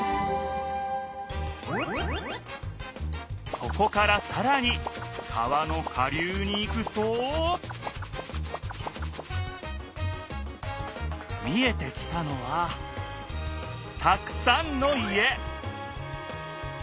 そこからさらに川の下流に行くと見えてきたのはたくさんの家！